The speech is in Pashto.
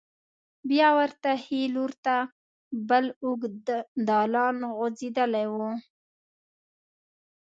بیا ورته ښې لور ته بل اوږد دالان غوځېدلی و.